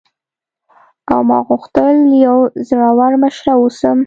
او ما غوښتل یوه زړوره مشره واوسم.